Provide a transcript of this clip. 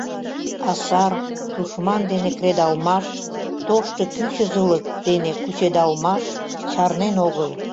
А сар, тушман дене кредалмаш, тошто кӱчызылык дене кучедалмаш чарнен огыл.